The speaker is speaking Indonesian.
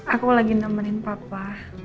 aku lagi nemenin papa